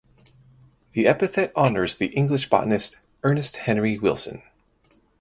The epithet honors the English botanist Ernest Henry Wilson.